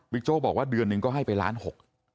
โจ๊กบอกว่าเดือนหนึ่งก็ให้ไปล้านหก